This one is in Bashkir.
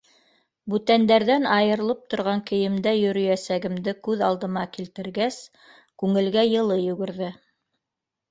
Бүтәндәрҙән айырылып торған кейемдә йөрөйәсәгемде күҙ алдыма килтергәс, күңелгә йылы йүгерҙе.